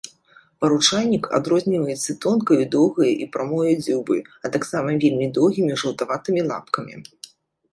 Паручайнік адрозніваецца тонкаю, доўгаю і прамою дзюбаю, а таксама вельмі доўгімі жаўтаватым лапкамі.